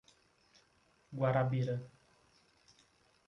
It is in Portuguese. Guarabira